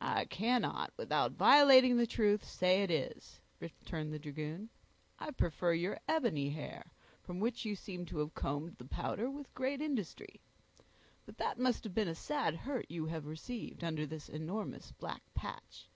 "I cannot, without violating the truth, say it is," returned the dragoon. "I prefer your ebony hair, from which you seem to have combed the powder with great industry. But that must have been a sad hurt you have received under this enormous black patch."